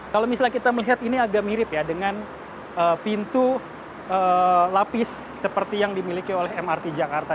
kalau misalnya kita melihat ini agak mirip ya dengan pintu lapis seperti yang dimiliki oleh mrt jakarta